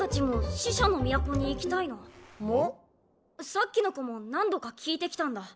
さっきの子も何度か聞いてきたんだ